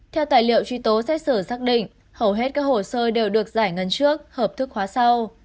theo tài liệu truy tố xét xử xác định hầu hết các hồ sơ đều được giải ngân trước hợp thức hóa sau